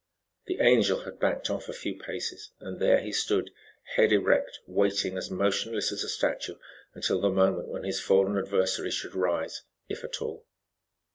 The Angel had backed off a few paces and there he stood, head erect, waiting as motionless as a statue until the moment when his fallen adversary should rise, if at all.